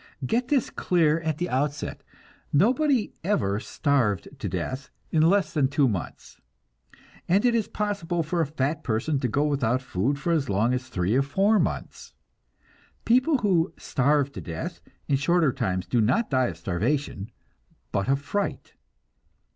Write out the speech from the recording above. Get this clear at the outset: Nobody ever "starved to death" in less than two months, and it is possible for a fat person to go without food for as long as three or four months. People who "starve to death" in shorter times do not die of starvation, but of fright.